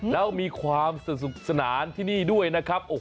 แล้วมีความสนุกสนานที่นี่ด้วยนะครับ